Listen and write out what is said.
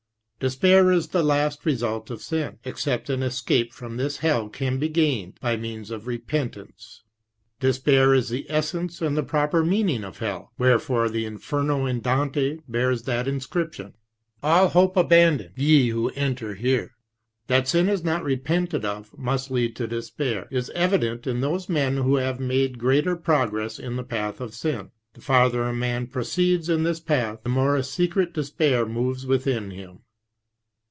Despair is the last result of sin, except an escape from this hell can be gained by means of repentance. Despair is the essence and the proper meaning of hell, wherefore the Inferno in Dante bears that inscription :" All hope abandon, ye who enter here." That sin not repented of must lead to despair, is evident in those men who have made greater progress in the path of sin. The farther a man proceeds in this path, the more a secret despair moves within him.